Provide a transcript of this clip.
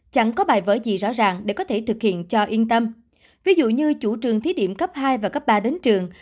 chẳng có bài vở gì rõ ràng để có thể thực hiện cho yên tâm ví dụ như chủ trường thí điểm cấp hai và cấp ba đến trường